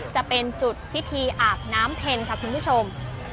จะเป็นจุดพิธีอาบน้ำเพ็ญค่ะคุณผู้ชม